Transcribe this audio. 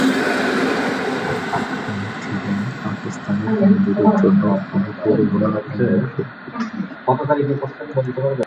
তিনি ছিলেন পাকিস্তানের নারীদের জন্য অনুপ্রেরণা এবং শক্তি।